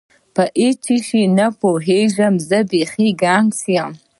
په هیڅ شي نه پوهېږم، زه بیخي ګنګس یم.